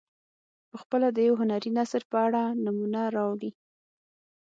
پخپله د یو هنري نثر په اړه نمونه راوړي.